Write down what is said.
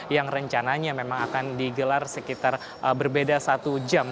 yang rencananya memang akan digelar sekitar berbeda satu jam